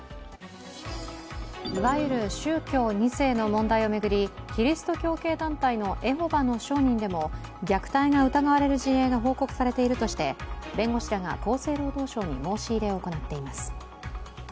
いわゆる宗教２世の問題を巡り、キリスト教系団体のエホバの証人でも虐待が疑われる事例が報告されているとして弁護士らが厚生労働省に申し入れを行っています。